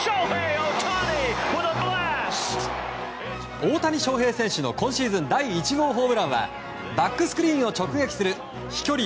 大谷翔平選手の今シーズン第１号ホームランはバックスクリーンを直撃する飛距離